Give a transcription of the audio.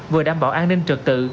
vừa đảm bảo an ninh trực tự